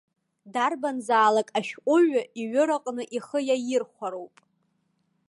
Дарбанзаалак ашәҟәыҩҩы иҩыраҟны ихы иаирхәароуп.